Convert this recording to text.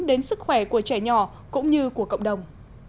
đến sức khỏe của trẻ nhỏ cũng như của cộng đồng